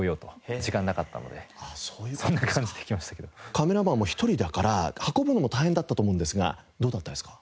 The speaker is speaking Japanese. カメラマンも１人だから運ぶのも大変だったと思うんですがどうだったんですか？